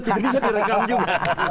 tidak bisa direkam juga